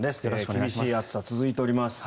厳しい暑さが続いております。